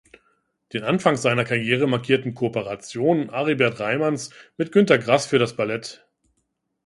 Den Anfang seiner Karriere markierten Kooperationen Aribert Reimanns mit Günter Grass für das Ballett.